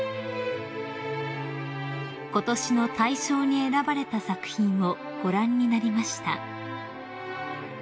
［ことしの大賞に選ばれた作品をご覧になりました］